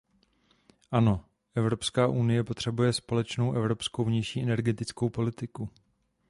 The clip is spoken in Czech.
Ano, Evropská unie potřebuje společnou evropskou vnější energetickou politiku.